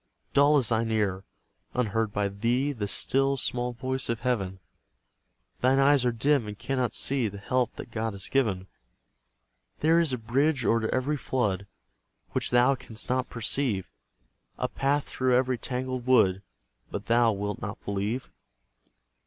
Dull is thine ear, unheard by thee The still, small voice of Heaven; Thine eyes are dim and cannot see The helps that God has given. There is a bridge o'er every flood Which thou canst not perceive; A path through every tangled wood, But thou wilt not believe.